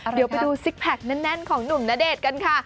เดี๋ยวไปดูซิกแพคแน่นของหนุ่มณเดชน์กันค่ะ